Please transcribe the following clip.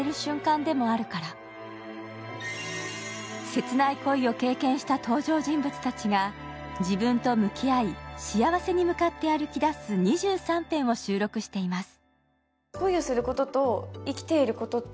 切ない恋を経験した登場人物たちが自分と向き合い、幸せに向かって歩き出す２３編を収録しています。